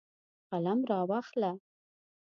قلم راواخله.